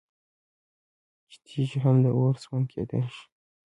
چې تيږي هم د اور سوند كېدى شي